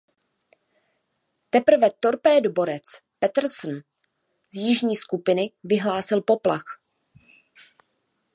Teprve torpédoborec "Patterson" z jižní skupiny vyhlásil poplach.